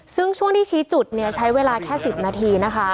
ซึ่งช่วงที่ชี้จุดเนี่ยใช้เวลาแค่๑๐นาทีนะคะ